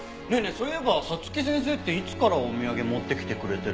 そういえば早月先生っていつからお土産持ってきてくれてるの？